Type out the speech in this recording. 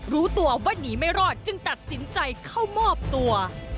รู้ตัวว่าหนีไม่รอดจึงตัดสินใจเข้ามอบตัว